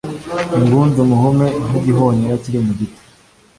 ingunzu muhume nk igihunyira kiri mugiti